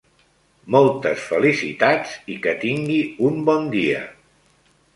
Moltes felicitats i que tingui un bon dia.